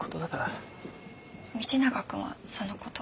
道永君はそのこと。